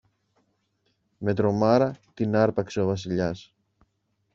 Με τρομάρα την άρπαξε ο Βασιλιάς.